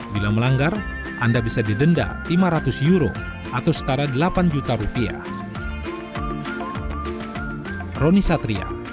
bila melanggar anda bisa didenda lima ratus euro atau setara delapan juta rupiah